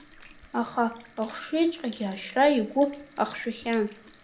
Аха ашьҩыҵәҟьагьы ашьра игәы ахшәахьан.